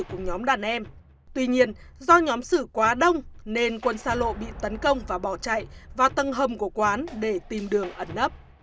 cùng nhóm đàn em tuy nhiên do nhóm xử quá đông nên quân xa lộ bị tấn công và bỏ chạy vào tầng hầm của quán để tìm đường ẩn nấp